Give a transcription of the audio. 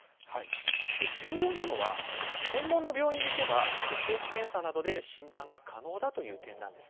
重要なのは専門の病院に行けば血液検査などで診断が可能だという点なんです。